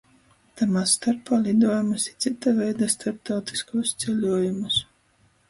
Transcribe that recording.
Tamā storpā liduojumus i cyta veida storptautyskūs ceļuojumus.